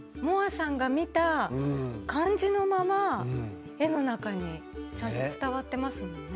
望和さんが見た感じのまま絵の中にちゃんと伝わってますもんね。